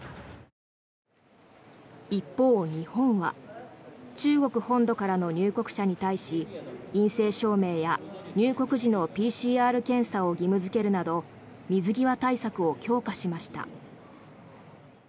一方、日本は中国本土からの入国者に対し陰性証明や入国時のＰＣＲ検査を義務付けるなど水際対策を強化しました。